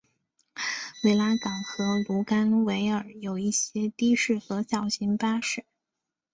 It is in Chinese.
维拉港和卢甘维尔有一些的士和小型巴士。